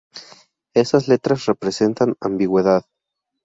Esas letras representan ambigüedad.